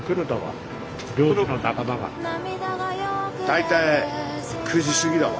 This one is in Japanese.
大体９時過ぎだわ。